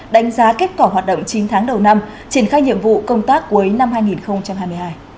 đánh giá kết quả hoạt động chín tháng đầu năm triển khai nhiệm vụ công tác cuối năm hai nghìn hai mươi hai